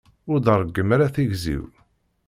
Ur d-reggem ara tigzi-w.